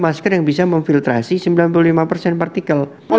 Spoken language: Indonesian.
masker yang bisa memfiltrasi sembilan puluh lima persen partikel